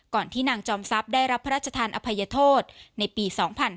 ที่นางจอมทรัพย์ได้รับพระราชทานอภัยโทษในปี๒๕๕๙